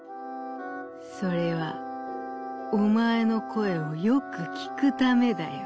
「それはおまえのこえをよくきくためだよ」。